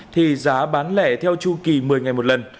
thì giá bán lẻ theo chu kỳ một mươi ngày một lần